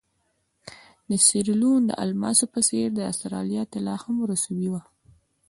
د سیریلیون د الماسو په څېر د اسټرالیا طلا هم رسوبي وه.